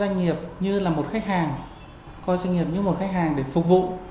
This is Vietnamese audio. doanh nghiệp như là một khách hàng coi doanh nghiệp như một khách hàng để phục vụ